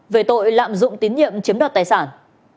về tội lạm dụng tín nhiệm chiếm đoạt tài sản